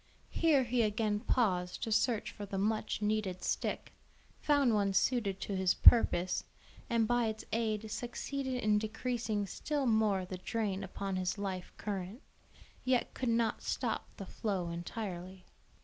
Here he again paused to search for the much needed stick, found one suited to his purpose, and by its aid succeeded in decreasing still more the drain upon his life current; yet could not stop the flow entirely.